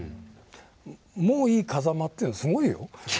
「もういい風間」っていうのすごいよ。